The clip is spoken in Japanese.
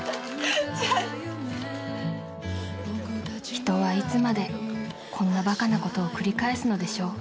［人はいつまでこんなバカなことを繰り返すのでしょう］